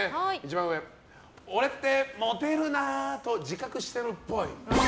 「俺ってモテるな」と自覚してるっぽい。